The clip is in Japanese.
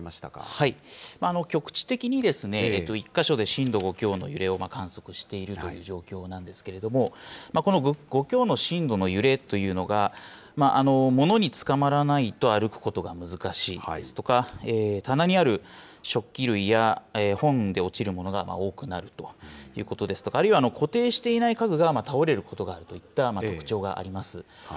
局地的に１か所で震度５強の揺れを観測しているという状況なんですけれども、この５強の震度の揺れというのが、物につかまらないと歩くことが難しいですとか、棚にある食器類や本で落ちるものが多くなるということですとか、あるいは固定していない家具が倒れることがあるといった特徴があります。